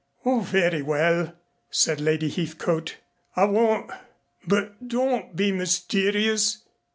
"Oh, very well," said Lady Heathcote, "I won't. But don't be mysterious.